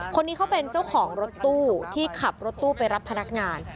คนนี้เขาเป็นเจ้าของรถตู้ที่ขับรถตู้ไปรับพนักงาน